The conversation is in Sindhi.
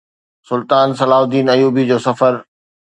سلطان صلاح الدين ايوبي جو سفر